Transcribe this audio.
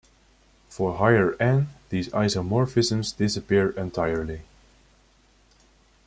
For higher "n", these isomorphisms disappear entirely.